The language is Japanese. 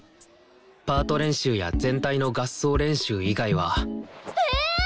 パート練習や全体の合奏練習以外はえっ！